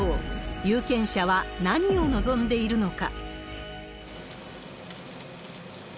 有権者は何を望んでいるのか。